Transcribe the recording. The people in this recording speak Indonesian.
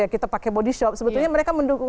kita pakai bodyshop sebetulnya mereka mendukung